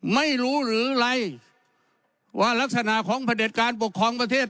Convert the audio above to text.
ไม่รู้หรือไรว่ารักษณะของพระเด็จการปกครองประเทศ